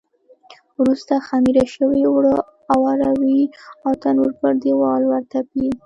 وروسته خمېره شوي اوړه اواروي او د تنور پر دېوال ورتپي.